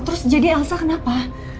terus jadi elsa kenapa